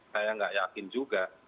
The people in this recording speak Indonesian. saya nggak yakin juga